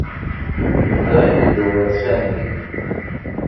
Da i yeddewwir Sami.